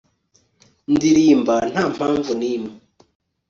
ndirimba nta mpamvu nimwe